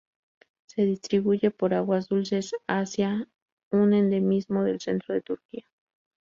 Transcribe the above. Se distribuye por aguas dulces Asia, un endemismo del centro de Turquía.